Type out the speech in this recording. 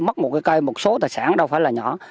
mất một cái cây một số tài sản đâu phải là nhỏ